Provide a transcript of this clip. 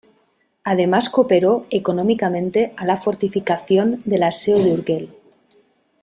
Además cooperó económicamente a la fortificación de la Seo de Urgel.